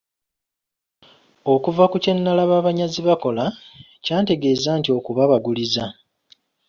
Okuva ku kye nalaba abanyazi bakola, kyantegeeza nti akubabaguliza.